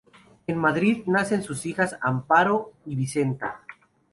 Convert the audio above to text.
En Madrid nacen sus hijas Amparo y Vicenta.